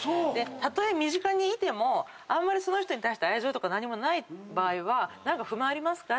たとえ身近にいてもあんまりその人に対して愛情とか何もない場合は不満ありますか？